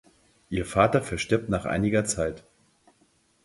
Ihr Vater verstirbt nach einiger Zeit.